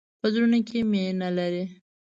په زړونو کې مینه لری.